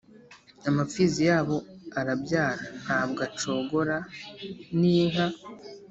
Amapfizi yabo arabyara ntabwo acogora N inka